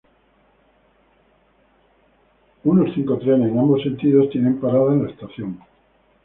Unos cinco trenes, en ambos sentidos, tienen parada en la estación.